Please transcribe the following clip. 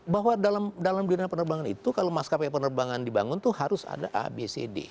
bahwa dalam dunia penerbangan itu kalau maskapai penerbangan dibangun itu harus ada abcd